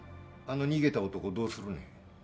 あの逃げた男どうするね？